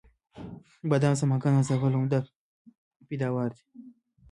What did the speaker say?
بادام د سمنګان او زابل عمده پیداوار دی.